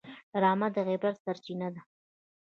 ډرامه د عبرت سرچینه ده